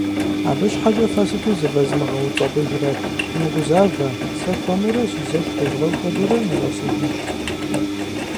Абы щхьэкӀэ фэ сыту зывэзмыгъэуцӀэпӀыжрэт, фымыгузавэ, сэ хуэмурэ, си зэш тезгъэу хуэдэурэ, нэзгъэсыжынщ.